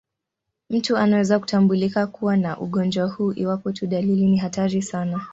Mtu anaweza kutambulika kuwa na ugonjwa huu iwapo tu dalili ni hatari sana.